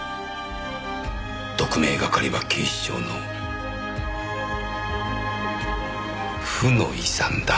特命係は警視庁の負の遺産だ。